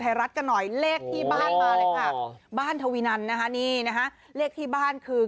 เออใช่นะฮะ